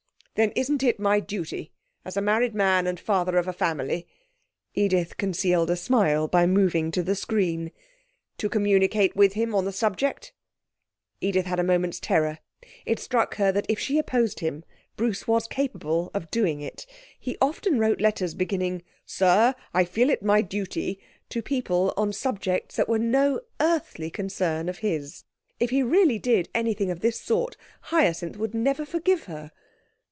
'Then isn't it my duty as a married man and father of a family ' Edith concealed a smile by moving the screen. 'To communicate with him on the subject?' Edith had a moment's terror. It struck her that if she opposed him, Bruce was capable of doing it. He often wrote letters beginning, 'Sir, I feel it my duty,' to people on subjects that were no earthly concern of his. If he really did anything of this sort, Hyacinth would never forgive her.